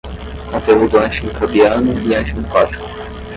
Conteúdo antimicrobiano e antimicótico